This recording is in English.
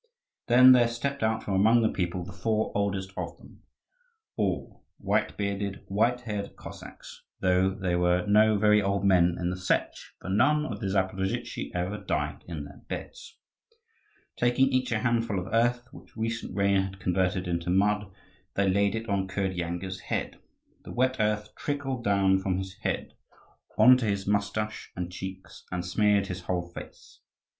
Then there stepped out from among the people the four oldest of them all, white bearded, white haired Cossacks; though there were no very old men in the Setch, for none of the Zaporozhtzi ever died in their beds. Taking each a handful of earth, which recent rain had converted into mud, they laid it on Kirdyanga's head. The wet earth trickled down from his head on to his moustache and cheeks and smeared his whole face.